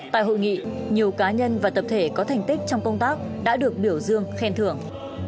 tại hội nghị nhiều cá nhân và tập thể có thành tích trong công tác đã được biểu dương khen thưởng